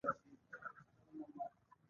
ایا زه باید ناوخته پاڅیږم؟